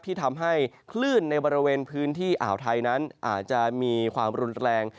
ที่ทำให้คลื่นในบริเวณพื้นที่อ่าวไทยนั้นอาจจะมีความรุนแรง